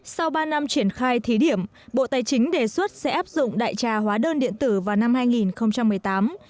sau ba năm triển khai thí điểm bộ tài chính đề xuất sẽ áp dụng đại trà hóa đơn điện tử vào năm hai nghìn một mươi tám